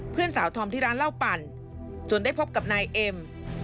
เพื่อนสาวธอมที่ร้านเหล้าปั่นจนได้พบกับนายเอ็ม